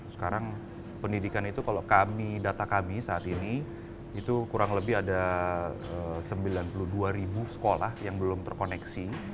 sekarang pendidikan itu kalau kami data kami saat ini itu kurang lebih ada sembilan puluh dua ribu sekolah yang belum terkoneksi